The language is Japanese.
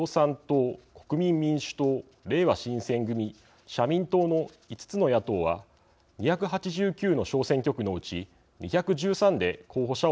れいわ新選組社民党の５つの野党は２８９の小選挙区のうち２１３で候補者を一本化しました。